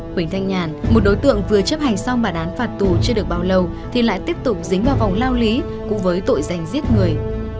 huỳnh thanh nhàn một đối tượng vừa chấp hành xong bản án phạt tù chưa được bao lâu thì lại tiếp tục dính vào vòng lao lý cũng với tội danh giết người